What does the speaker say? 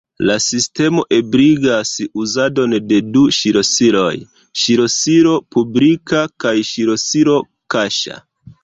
La sistemo ebligas uzadon de du ŝlosiloj: ŝlosilo publika kaj ŝlosilo kaŝa.